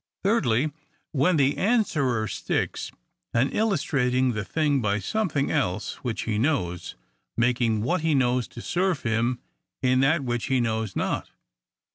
Thirdly, when the answerer sticks, an illus trating the thing by something else, which he knows ; making what he knows to serve him in that which he knows not.